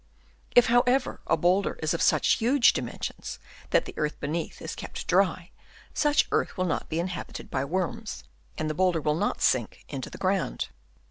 If, however, a boulder is of such huge dimensions, that the earth beneath is kept dry, such earth will not be inhabited bv worms, and the boulder will not sink into the ground.